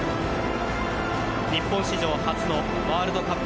日本史上初のワールドカップ